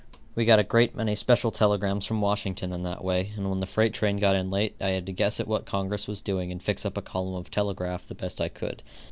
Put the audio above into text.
We got a great many special telegrams from Washington in that way, and when the freight train got in late, I had to guess at what congress was doing and fix up a column of telegraph the best I could.